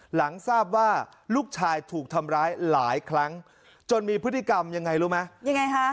หลังทราบว่าลูกชายถูกทำร้ายหลายครั้งจนมีพฤติกรรมยังไงรู้ไหมยังไงคะ